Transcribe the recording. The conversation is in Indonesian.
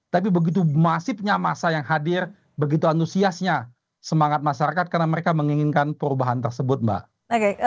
tapi begitu masifnya masa yang hadir begitu antusiasnya semangat masyarakat karena mereka menginginkan perubahan tersebut mbak